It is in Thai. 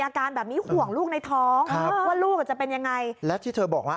อาการแบบนี้ห่วงลูกในท้องครับว่าลูกจะเป็นยังไงและที่เธอบอกว่า